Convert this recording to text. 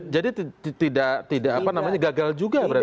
jadi tidak gagal juga berarti